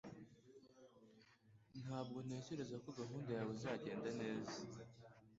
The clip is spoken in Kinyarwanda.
Ntabwo ntekereza ko gahunda yawe izagenda neza